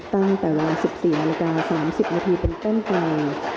ตั้งแต่เวลา๑๔นาฬิกา๓๐นาทีเป็นต้นไป